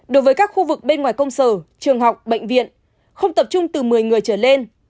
đối với các khu vực bên ngoài công sở trường học bệnh viện không tập trung từ một mươi người trở lên